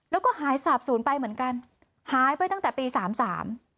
แล้วก็หายสาบศูนย์ไปเหมือนกันหายไปตั้งแต่ปีสามสาม